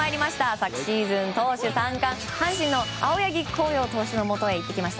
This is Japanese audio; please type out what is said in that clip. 昨シーズン投手３冠阪神の青柳晃洋投手のもとへ行ってきました。